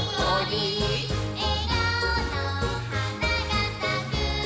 「えがおのはながさく」